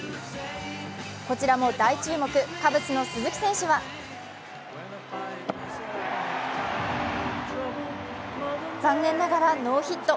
こちらも大注目、カブスの鈴木選手は残念ながらノーヒット。